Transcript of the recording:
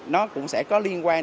nó cũng sẽ có liên quan